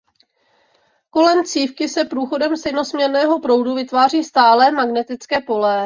Kolem cívky se průchodem stejnosměrného proudu vytváří "stálé" magnetické pole.